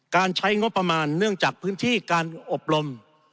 การใช้งบประมาณเนื่องจากพื้นที่การอบรม